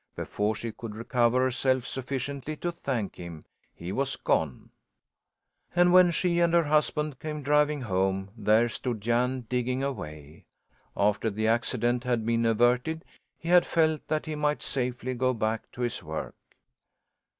Before she could recover herself sufficiently to thank him, he was gone. And when she and her husband came driving home, there stood Jan digging away. After the accident had been averted, he had felt that he might safely go back to his work.